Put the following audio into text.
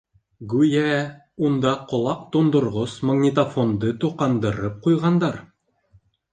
Гүйә, унда ҡолаҡ тондорғос магнитофонды тоҡандырып ҡуйғандар.